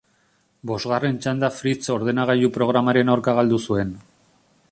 Bosgarren txandan Fritz ordenagailu programaren aurka galdu zuen.